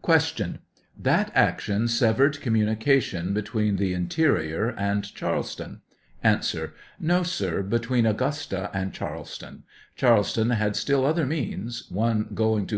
113 Q. That action severed communication between the interior and Charleston ? A. No, sir, between Augusta and Charleston ; Charles, ton had still other means — one going to.